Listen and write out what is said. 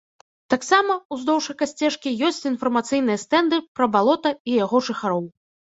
Таксама ўздоўж экасцежкі ёсць інфармацыйныя стэнды пра балота і яго жыхароў.